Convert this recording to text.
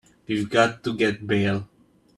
We've got to get bail.